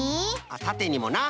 あったてにもな。